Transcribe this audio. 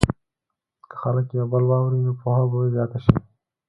که خلک یو بل واوري، نو پوهه به زیاته شي.